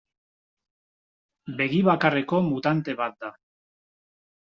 Begi bakarreko mutante bat da.